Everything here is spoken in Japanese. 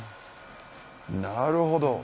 なるほど。